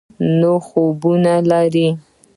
او نوي خوبونه لري.